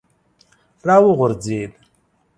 را وغورځېد.